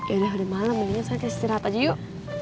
yaudah udah malem mendingan saya istirahat aja yuk